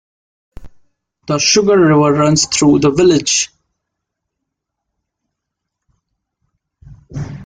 The Sugar River runs through the village.